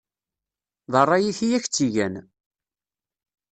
D ṛṛay-ik i ak-tt-igan.